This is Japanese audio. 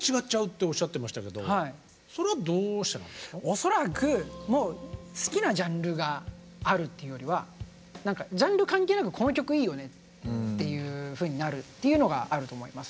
恐らくもう好きなジャンルがあるというよりはジャンル関係なく「この曲いいよね」っていうふうになるっていうのがあると思います。